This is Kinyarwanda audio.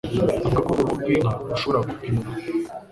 Avuga ko uruhu rw'inka rushobora gupimwa